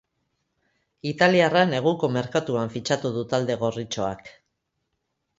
Italiarra neguko merkatuan fitxatu du talde gorritxoak.